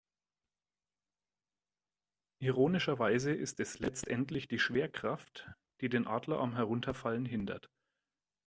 Ironischerweise ist es letztendlich die Schwerkraft, die den Adler am Herunterfallen hindert.